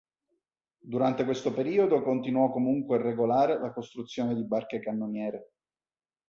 Durante questo periodo continuò comunque regolare la costruzione di barche cannoniere.